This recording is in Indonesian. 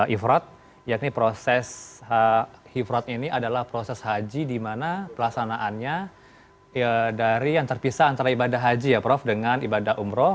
ibadah haji ya prof dengan ibadah umroh